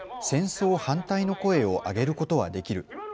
戦争反対の声を上げることはできる。